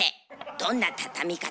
どんなたたみ方？